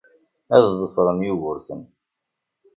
Ad ḍefren Yugurten.